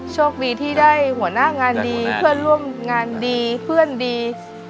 โชคดีที่ได้หัวหน้างานดีเพื่อนร่วมงานดีเพื่อนดี